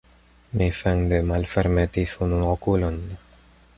Mi fende malfermetis unu okulon.